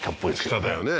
下だよね